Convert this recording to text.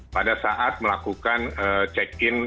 pada saat melakukan cek